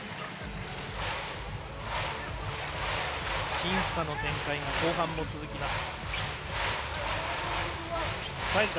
僅差の展開が後半も続きます。